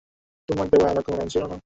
গোসলের পানি দিচ্ছি শুধু।